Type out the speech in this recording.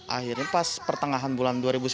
akhirnya pas pertengahan bulan dua ribu sembilan belas